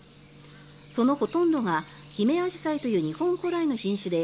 そのほとんどがヒメアジサイという日本古来の品種で